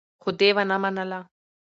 خو دې ونه منله.